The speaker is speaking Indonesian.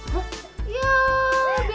yaa belom ngaku anak kecil